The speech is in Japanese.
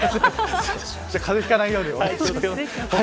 かぜひかないように。